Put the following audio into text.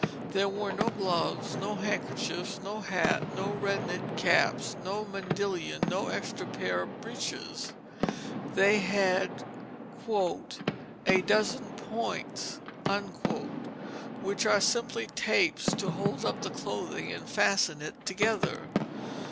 There were no gloves, no handkerchiefs, no hat, no red knit caps, no mandillion, no extra pair of breeches. They had "a dozen points," which were simply tapes to hold up the clothing and fasten it together.